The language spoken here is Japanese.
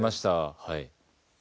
はい。